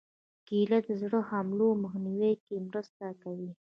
کېله د زړه حملو مخنیوي کې مرسته کوي.